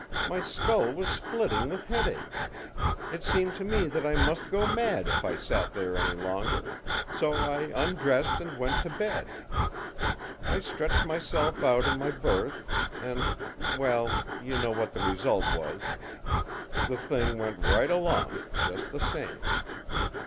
My skull was splitting with headache. It seemed to me that I must go mad if I sat there any longer; so I undressed and went to bed. I stretched myself out in my berth, and well, you know what the result was. The thing went right along, just the same.